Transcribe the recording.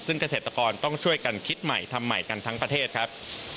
ซึ่งเกษตรกรต้องช่วยกันคิดใหม่ทำใหม่กันทั้งประเทศครับ